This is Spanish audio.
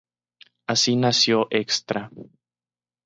Así nació Extra.